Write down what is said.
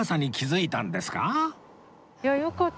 いやよかった。